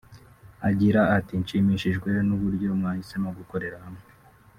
Agira ati “Nshimishijwe n’uburyo mwahisemo gukorera hamwe